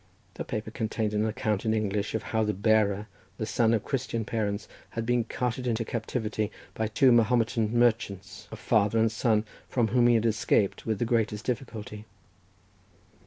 The paper contained an account in English of how the bearer, the son of Christian parents, had been carried into captivity by two Mahometan merchants, father and son, from whom he had escaped with the greatest difficulty.